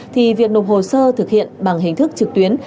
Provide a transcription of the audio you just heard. thì việc nộp hồ sơ thực hiện bằng hình thức trực tuyến